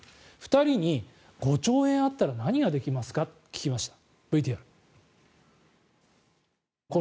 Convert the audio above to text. ２人に５兆円あったら何ができますかって聞きました。